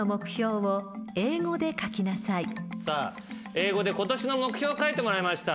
英語で今年の目標を書いてもらいました。